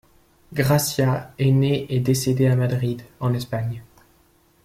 Gracia est né et décédé à Madrid, en Espagne.